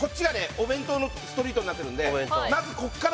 お弁当のストリートになってるんでえっ？